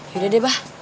yaudah deh bah